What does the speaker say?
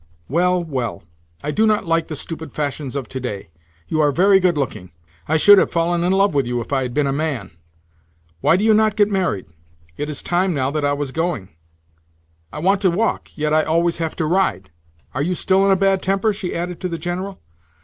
"Well, well. I do not like the stupid fashions of today. You are very good looking. I should have fallen in love with you if I had been a man. Why do you not get married? It is time now that I was going. I want to walk, yet I always have to ride. Are you still in a bad temper?" she added to the General.